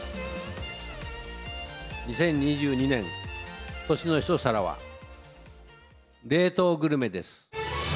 ２０２２年、今年の一皿は、冷凍グルメです。